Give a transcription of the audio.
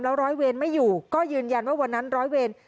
ร้อยเวรไม่อยู่ก็ยืนยันว่าวันนั้นร้อยเวร